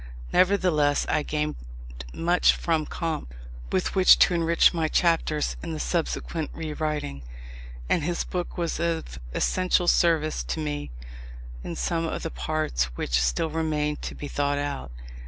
Nevertheless, I gained much from Comte, with which to enrich my chapters in the subsequent rewriting: and his book was of essential service to me in some of the parts which still remained to be thought out.